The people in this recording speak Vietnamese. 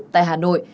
tại hà nội